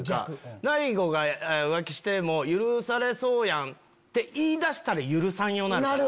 「大悟が浮気しても許されそう」って言い出したら許さんようなるから。